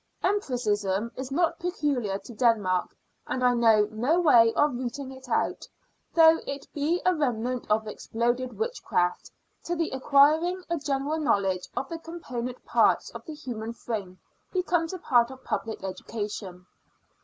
Empiricism is not peculiar to Denmark; and I know no way of rooting it out, though it be a remnant of exploded witchcraft, till the acquiring a general knowledge of the component parts of the human frame becomes a part of public education.